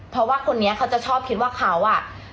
เพราะว่าคนนี้เขาจะชอบคิดว่าเขาอ่ะ